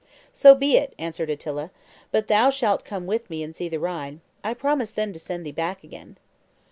"So be it!" answered Attila; "but thou shalt come with me and see the Rhine; I promise then to send thee back again."